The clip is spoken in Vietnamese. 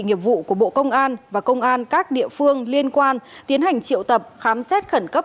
nghiệp vụ của bộ công an và công an các địa phương liên quan tiến hành triệu tập khám xét khẩn cấp